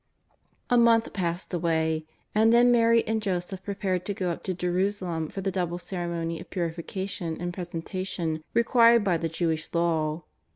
A month passed away, and then Mary and Joseph prepared to go up to Jerusalem for the double cere mony of Purification and Presentation required by the Jewish Law.